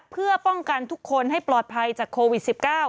เพื่อป้องกันทุกคนให้ปลอดภัยจากโควิด๑๙